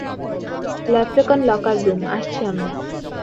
Leprechaun locker room, আসছি আমরা।